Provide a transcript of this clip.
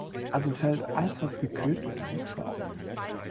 Also fällt alles was gekühlt werden muss raus.